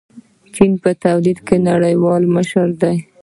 چین په تولید کې نړیوال مشر دی.